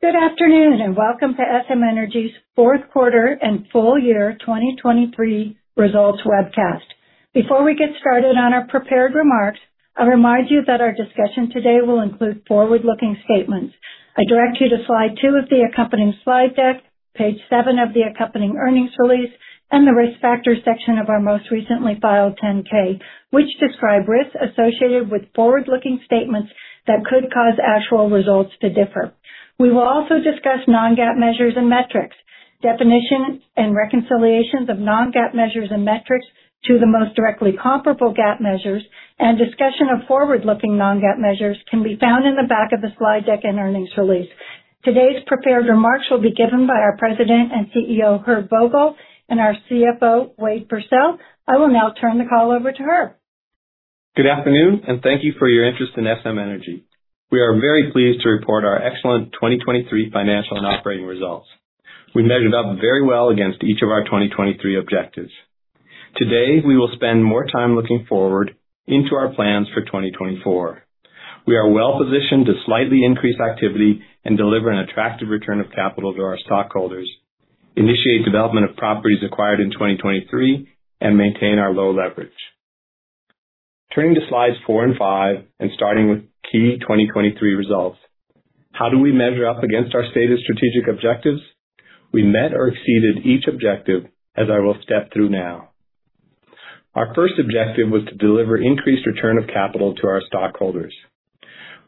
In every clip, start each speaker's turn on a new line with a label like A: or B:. A: Good afternoon, and welcome to SM Energy's fourth quarter and full year 2023 results webcast. Before we get started on our prepared remarks, I'll remind you that our discussion today will include forward-looking statements. I direct you to slide two of the accompanying slide deck, page seven of the accompanying earnings release, and the Risk Factors section of our most recently filed 10-K, which describe risks associated with forward-looking statements that could cause actual results to differ. We will also discuss non-GAAP measures and metrics. Definitions and reconciliations of non-GAAP measures and metrics to the most directly comparable GAAP measures and discussion of forward-looking non-GAAP measures can be found in the back of the slide deck and earnings release. Today's prepared remarks will be given by our President and CEO, Herb Vogel, and our CFO, Wade Pursell. I will now turn the call over to Herb.
B: Good afternoon, and thank you for your interest in SM Energy. We are very pleased to report our excellent 2023 financial and operating results. We measured up very well against each of our 2023 objectives. Today, we will spend more time looking forward into our plans for 2024. We are well positioned to slightly increase activity and deliver an attractive return of capital to our stockholders, initiate development of properties acquired in 2023, and maintain our low leverage. Turning to slides four and five, and starting with key 2023 results, how do we measure up against our stated strategic objectives? We met or exceeded each objective, as I will step through now. Our first objective was to deliver increased return of capital to our stockholders.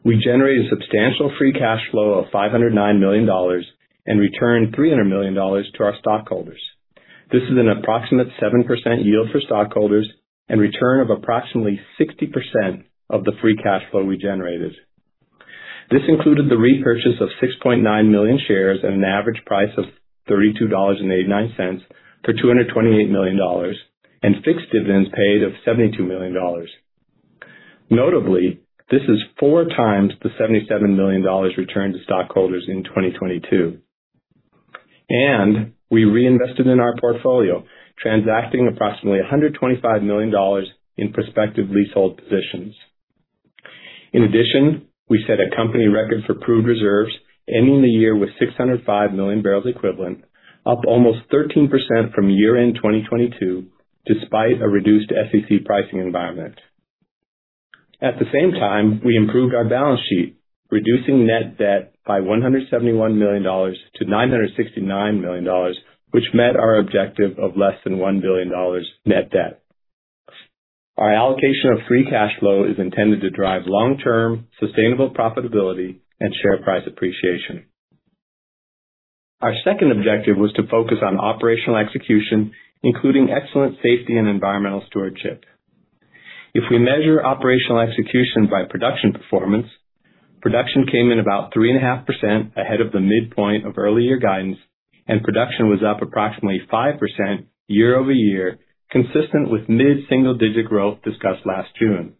B: We generated a substantial free cash flow of $509 million and returned $300 million to our stockholders. This is an approximate 7% yield for stockholders and return of approximately 60% of the free cash flow we generated. This included the repurchase of 6.9 million shares at an average price of $32.89 for $228 million and fixed dividends paid of $72 million. Notably, this is 4x the $77 million returned to stockholders in 2022. We reinvested in our portfolio, transacting approximately $125 million in prospective leasehold positions. In addition, we set a company record for proved reserves, ending the year with 605 million barrels equivalent, up almost 13% from year-end 2022, despite a reduced SEC pricing environment. At the same time, we improved our balance sheet, reducing net debt by $171 million to $969 million, which met our objective of less than $1 billion net debt. Our allocation of free cash flow is intended to drive long-term sustainable profitability and share price appreciation. Our second objective was to focus on operational execution, including excellent safety and environmental stewardship. If we measure operational execution by production performance, production came in about 3.5% ahead of the midpoint of early year guidance, and production was up approximately 5% year-over-year, consistent with mid-single digit growth discussed last June.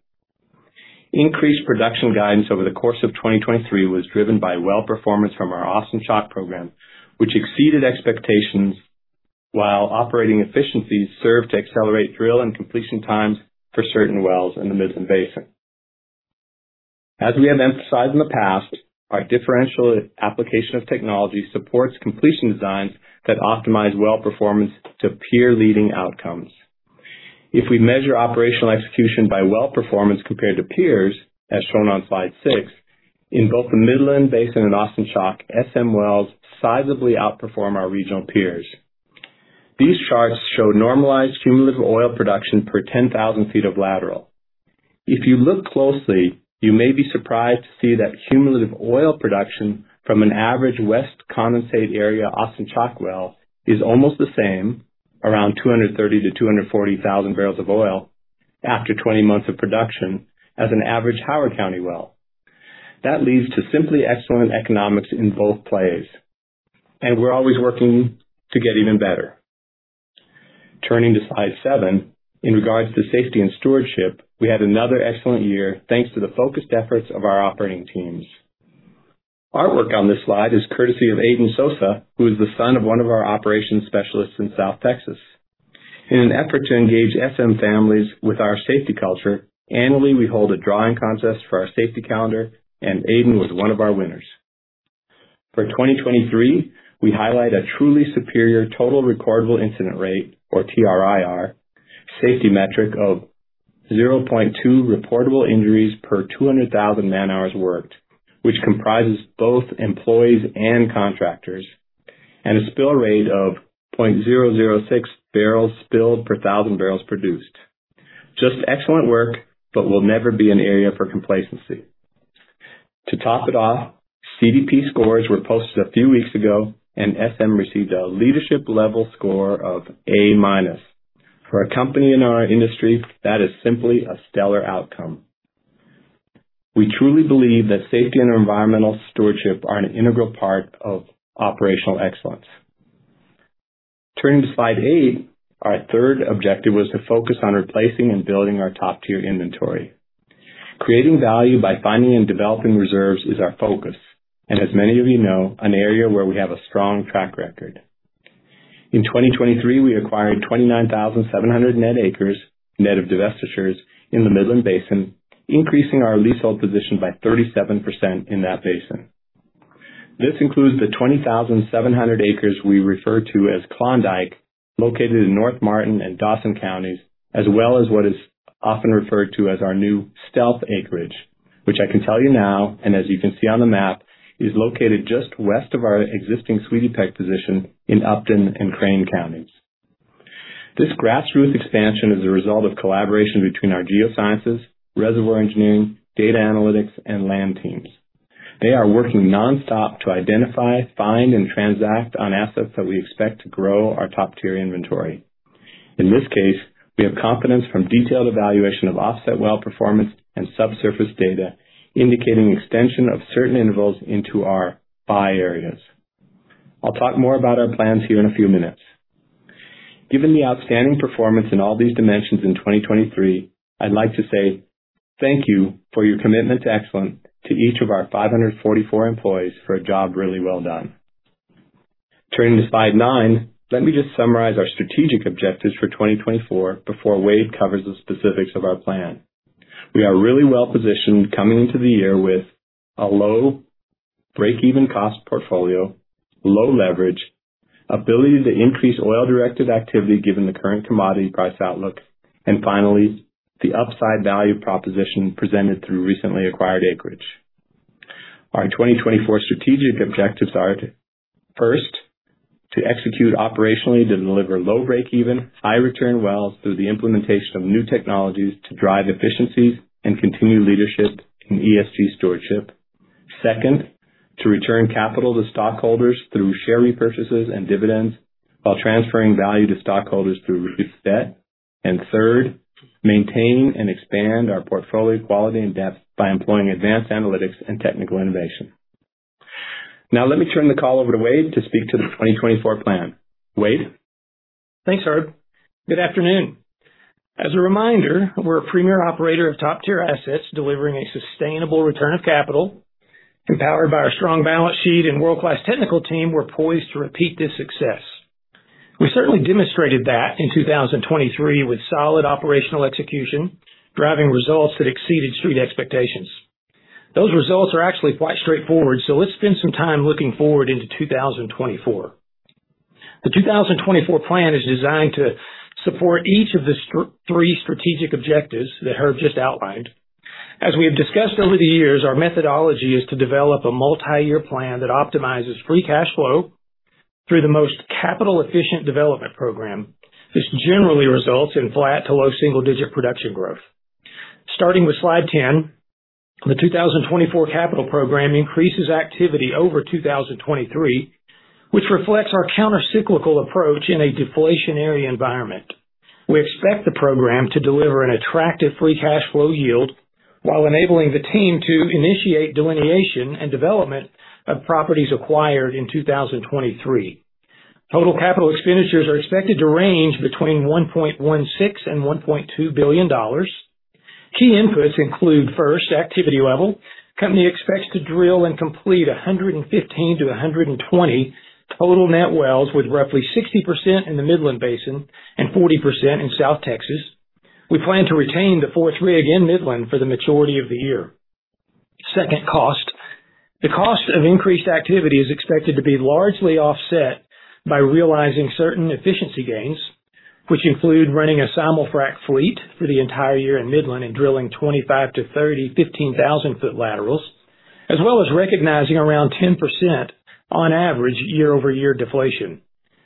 B: Increased production guidance over the course of 2023 was driven by well performance from our Austin Chalk program, which exceeded expectations, while operating efficiencies served to accelerate drill and completion times for certain wells in the Midland Basin. As we have emphasized in the past, our differential application of technology supports completion designs that optimize well performance to peer-leading outcomes. If we measure operational execution by well performance compared to peers, as shown on slide six, in both the Midland Basin and Austin Chalk, SM wells sizably outperform our regional peers. These charts show normalized cumulative oil production per 10,000 ft of lateral. If you look closely, you may be surprised to see that cumulative oil production from an average West Condensate area, Austin Chalk well, is almost the same, around 230,000-240,000 barrels of oil after 20 months of production as an average Howard County well. That leads to simply excellent economics in both plays, and we're always working to get even better. Turning to slide seven, in regards to safety and stewardship, we had another excellent year, thanks to the focused efforts of our operating teams. Artwork on this slide is courtesy of Aiden Sosa, who is the son of one of our operations specialists in South Texas. In an effort to engage SM families with our safety culture, annually, we hold a drawing contest for our safety calendar, and Aiden was one of our winners. For 2023, we highlight a truly superior total recordable incident rate, or TRIR, safety metric of 0.2 reportable injuries per 200,000 man-hours worked, which comprises both employees and contractors, and a spill rate of 0.006 barrels spilled per 1,000 barrels produced. Just excellent work, but will never be an area for complacency. To top it off, CDP scores were posted a few weeks ago, and SM received a leadership-level score of A-. For a company in our industry, that is simply a stellar outcome. We truly believe that safety and environmental stewardship are an integral part of operational excellence. Turning to slide eight, our third objective was to focus on replacing and building our top-tier inventory. Creating value by finding and developing reserves is our focus, and as many of you know, an area where we have a strong track record. In 2023, we acquired 29,700 net acres, net of divestitures, in the Midland Basin, increasing our leasehold position by 37% in that basin. This includes the 20,700 acres we refer to as Klondike, located in North Martin and Dawson Counties, as well as what is often referred to as our new stealth acreage, which I can tell you now, and as you can see on the map, is located just west of our existing Sweetie Peck position in Upton and Crane Counties. This grassroots expansion is a result of collaboration between our geosciences, reservoir engineering, data analytics, and land teams. They are working nonstop to identify, find, and transact on assets that we expect to grow our top-tier inventory. In this case, we have confidence from detailed evaluation of offset well performance and subsurface data, indicating extension of certain intervals into our buy areas. I'll talk more about our plans here in a few minutes. Given the outstanding performance in all these dimensions in 2023, I'd like to say thank you for your commitment to excellence to each of our 544 employees for a job really well done. Turning to slide nine, let me just summarize our strategic objectives for 2024 before Wade covers the specifics of our plan. We are really well positioned coming into the year with a low break-even cost portfolio, low leverage, ability to increase oil-directed activity given the current commodity price outlook, and finally, the upside value proposition presented through recently acquired acreage. Our 2024 strategic objectives are, first, to execute operationally to deliver low break-even, high-return wells through the implementation of new technologies to drive efficiencies and continue leadership in ESG stewardship. Second, to return capital to stockholders through share repurchases and dividends, while transferring value to stockholders through reduced debt. And third, maintain and expand our portfolio quality and depth by employing advanced analytics and technical innovation. Now, let me turn the call over to Wade to speak to the 2024 plan. Wade?
C: Thanks, Herb. Good afternoon. As a reminder, we're a premier operator of top-tier assets, delivering a sustainable return of capital. Empowered by our strong balance sheet and world-class technical team, we're poised to repeat this success. We certainly demonstrated that in 2023 with solid operational execution, driving results that exceeded street expectations. Those results are actually quite straightforward, so let's spend some time looking forward into 2024. The 2024 plan is designed to support each of the three strategic objectives that Herb just outlined. As we have discussed over the years, our methodology is to develop a multi-year plan that optimizes free cash flow through the most capital-efficient development program, which generally results in flat to low single-digit production growth. Starting with slide 10, the 2024 capital program increases activity over 2023, which reflects our countercyclical approach in a deflationary environment. We expect the program to deliver an attractive free cash flow yield while enabling the team to initiate delineation and development of properties acquired in 2023. Total capital expenditures are expected to range between $1.16 billion and $1.2 billion. Key inputs include, first, activity level. Company expects to drill and complete 115-120 total net wells, with roughly 60% in the Midland Basin and 40% in South Texas. We plan to retain the fourth rig in Midland for the majority of the year. Second, cost. The cost of increased activity is expected to be largely offset by realizing certain efficiency gains, which include running a simul frac fleet for the entire year in Midland and drilling 25-30 15,000-foot laterals, as well as recognizing around 10% on average year-over-year deflation.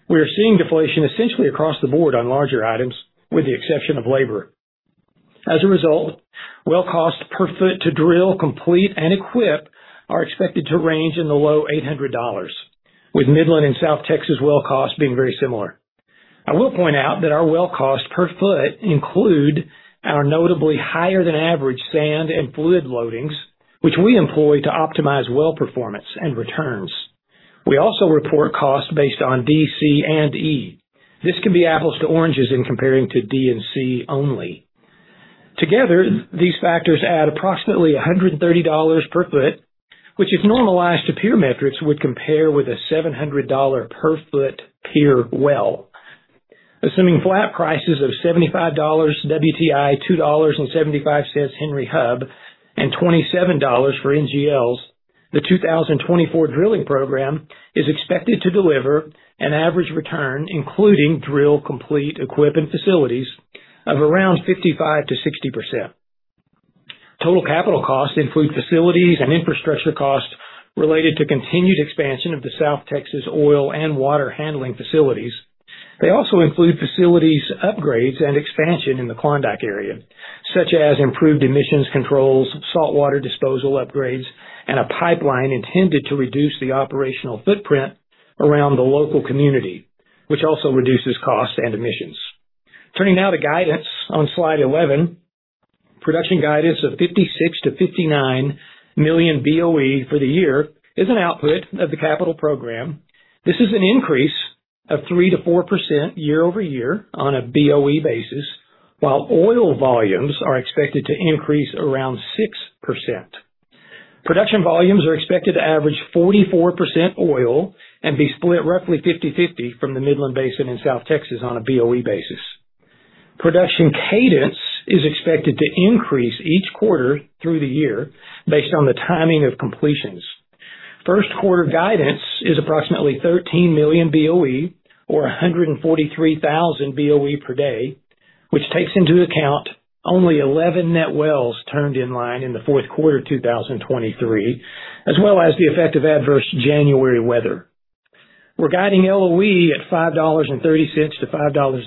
C: We are seeing deflation essentially across the board on larger items, with the exception of labor. As a result, well cost per foot to drill, complete, and equip are expected to range in the low $800, with Midland and South Texas well costs being very similar. I will point out that our well cost per foot include our notably higher than average sand and fluid loadings, which we employ to optimize well performance and returns. We also report costs based on DC&E. This can be apples to oranges in comparing to D&C only. Together, these factors add approximately $130 per foot, which, if normalized to peer metrics, would compare with a $700 per foot peer well. Assuming flat prices of $75 WTI, $2.75 Henry Hub, and $27 for NGLs, the 2024 drilling program is expected to deliver an average return, including drill, complete, and equip facilities, of around 55%-60%. Total capital costs include facilities and infrastructure costs related to continued expansion of the South Texas oil and water handling facilities. They also include facilities upgrades and expansion in the Klondike area, such as improved emissions controls, saltwater disposal upgrades, and a pipeline intended to reduce the operational footprint around the local community, which also reduces costs and emissions. Turning now to guidance on slide 11. Production guidance of 56-59 million BOE for the year is an output of the capital program. This is an increase of 3%-4% year-over-year on a BOE basis, while oil volumes are expected to increase around 6%. Production volumes are expected to average 44% oil and be split roughly 50/50 from the Midland Basin and South Texas on a BOE basis. Production cadence is expected to increase each quarter through the year based on the timing of completions. First quarter guidance is approximately 13 million BOE, or 143,000 BOE per day, which takes into account only 11 net wells turned in line in the fourth quarter of 2023, as well as the effect of adverse January weather. We're guiding LOE at $5.30-$5.60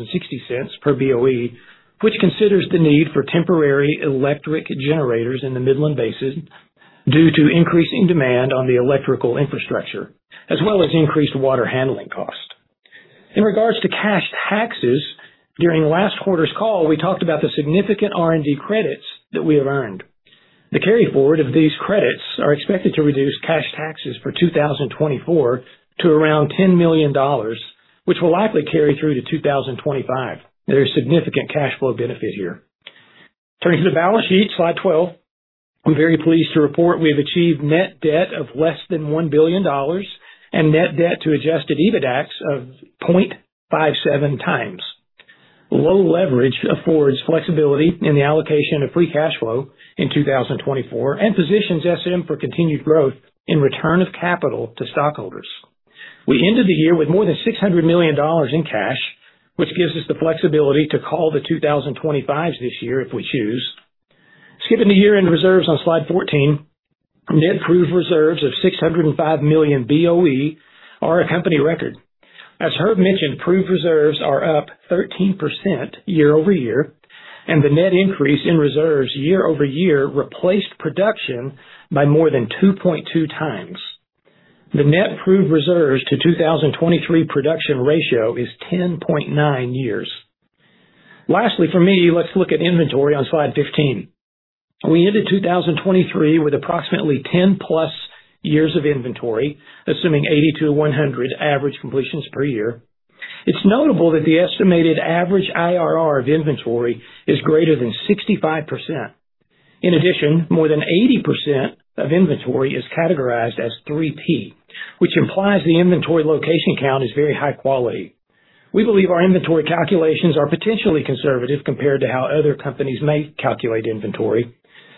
C: per BOE, which considers the need for temporary electric generators in the Midland Basin, due to increasing demand on the electrical infrastructure, as well as increased water handling cost. In regards to cash taxes, during last quarter's call, we talked about the significant R&D credits that we have earned. The carryforward of these credits are expected to reduce cash taxes for 2024 to around $10 million, which will likely carry through to 2025. There is significant cash flow benefit here. Turning to the balance sheet, slide 12. I'm very pleased to report we have achieved net debt of less than $1 billion and net debt to adjusted EBITDAX of 0.57x. Low leverage affords flexibility in the allocation of free cash flow in 2024 and positions SM for continued growth in return of capital to stockholders. We ended the year with more than $600 million in cash, which gives us the flexibility to call the 2025s this year, if we choose. Skipping to year-end reserves on slide 14, net proved reserves of 605 million BOE are a company record. As Herb mentioned, proved reserves are up 13% year-over-year, and the net increase in reserves year-over-year replaced production by more than 2.2x. The net proved reserves to 2023 production ratio is 10.9 years. Lastly, for me, let's look at inventory on slide 15. We ended 2023 with approximately 10+ years of inventory, assuming 80-100 average completions per year. It's notable that the estimated average IRR of inventory is greater than 65%. In addition, more than 80% of inventory is categorized as 3P, which implies the inventory location count is very high quality. We believe our inventory calculations are potentially conservative compared to how other companies may calculate inventory.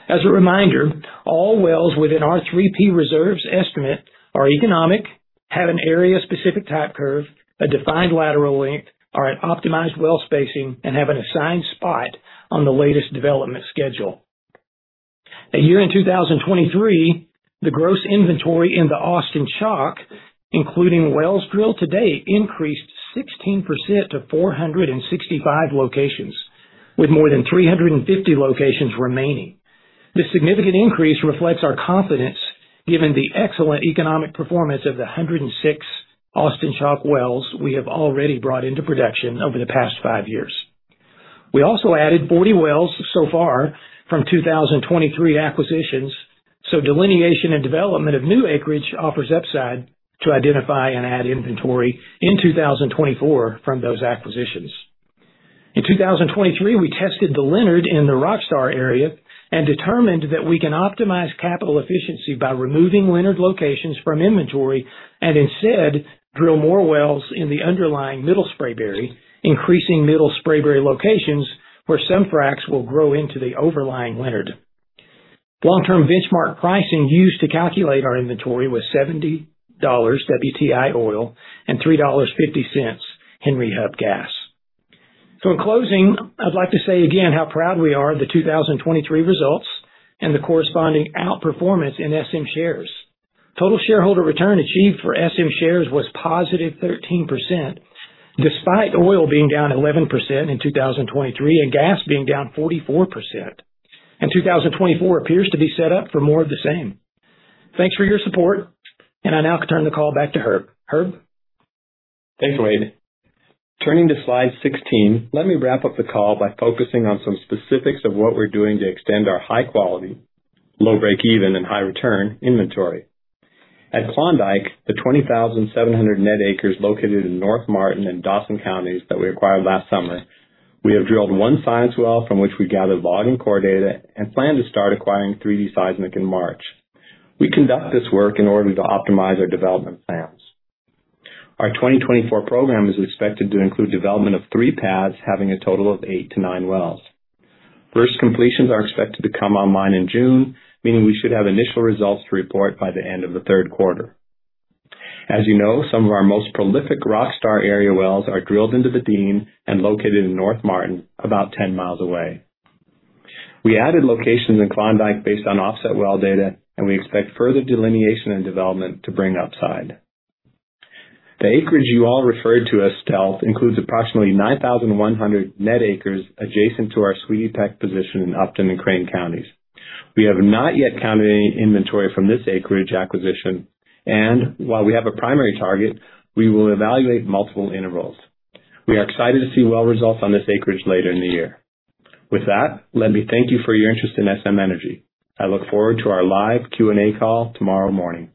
C: As a reminder, all wells within our 3P reserves estimate are economic, have an area specific type curve, a defined lateral length, are at optimized well spacing, and have an assigned spot on the latest development schedule. In 2023, the gross inventory in the Austin Chalk, including wells drilled to date, increased 16% to 465 locations, with more than 350 locations remaining. This significant increase reflects our confidence, given the excellent economic performance of the 106 Austin Chalk wells we have already brought into production over the past five years. We also added 40 wells so far from 2023 acquisitions, so delineation and development of new acreage offers upside to identify and add inventory in 2024 from those acquisitions. In 2023, we tested the Leonard in the RockStar area and determined that we can optimize capital efficiency by removing Leonard locations from inventory, and instead drill more wells in the underlying Middle Spraberry, increasing Middle Spraberry locations, where some fracs will grow into the overlying Leonard. Long-term benchmark pricing used to calculate our inventory was $70 WTI oil and $3.50 Henry Hub gas. In closing, I'd like to say again, how proud we are of the 2023 results and the corresponding outperformance in SM shares. Total shareholder return achieved for SM shares was positive 13%, despite oil being down 11% in 2023, and gas being down 44%. 2024 appears to be set up for more of the same. Thanks for your support, and I now turn the call back to Herb. Herb?
B: Thanks, Wade. Turning to slide 16, let me wrap up the call by focusing on some specifics of what we're doing to extend our high quality, low break-even, and high return inventory. At Klondike, the 20,700 net acres located in North Martin and Dawson Counties that we acquired last summer, we have drilled one science well from which we gathered log and core data, and plan to start acquiring 3-D seismic in March. We conduct this work in order to optimize our development plans. Our 2024 program is expected to include development of 3 pads, having a total of 8-9 wells. First completions are expected to come online in June, meaning we should have initial results to report by the end of the third quarter. As you know, some of our most prolific RockStar area wells are drilled into the Dean and located in North Martin, about 10 miles away. We added locations in Klondike based on offset well data, and we expect further delineation and development to bring upside. The acreage you all referred to as Stealth includes approximately 9,100 net acres adjacent to our Sweetie Peck position in Upton and Crane Counties. We have not yet counted any inventory from this acreage acquisition, and while we have a primary target, we will evaluate multiple intervals. We are excited to see well results on this acreage later in the year. With that, let me thank you for your interest in SM Energy. I look forward to our live Q&A call tomorrow morning.